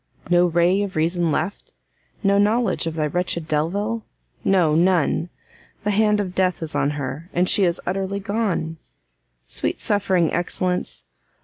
no ray of reason left? no knowledge of thy wretched Delvile? no, none! the hand of death is on her, and she is utterly gone! sweet suffering excellence!